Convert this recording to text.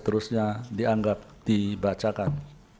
seterusnya dianggap dibacakan